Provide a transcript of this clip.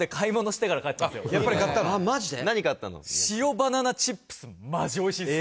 バナナチップスマジおいしいです。